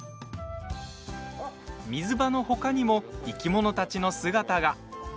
水場の他にも生き物たちの姿が。